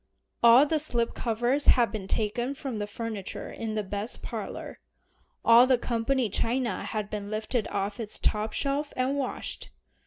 All the slip covers had been taken from the furniture in the best parlor. All the company china had been lifted off its top shelf and washed.